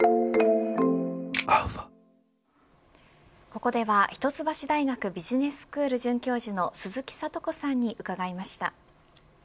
ここでは一橋大学ビジネススクール准教授の鈴木智子さんに伺いました。